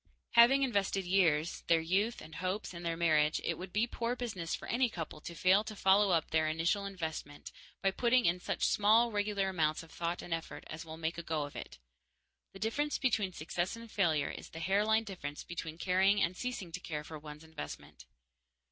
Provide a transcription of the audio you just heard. Having invested years, their youth and hopes, in their marriage, it would be poor business for any couple to fail to follow up their initial investment by putting in such small regular amounts of thought and effort as will make a go of it. The difference between success and failure is the hairline difference between caring and ceasing to care for one's investment.